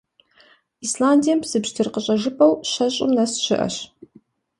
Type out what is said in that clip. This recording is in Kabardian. Исландием псы пщтыр къыщӀэжыпӀэу щэщӏым нэс щыӀэщ.